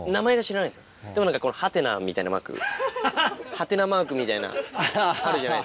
ハテナマークみたいなあるじゃないですか。